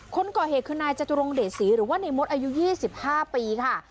คนก่อเหตุคือนายจตุรงเดชศรีหรือว่าในมดอายุ๒๕ปีค่ะ